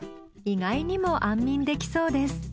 意外にも安眠できそうです。